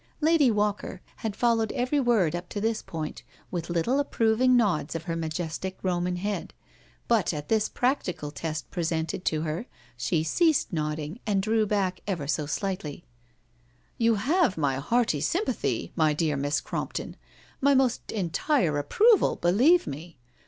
Lady Walker had followed every word up to this point with little approving nods of her majestic Roman head, but at this practical test presented to her she ceased nodding, and drew back ever so slightly: " You have my hearty sympathy, my dear Miss Crompton, my most entire approval, believe me.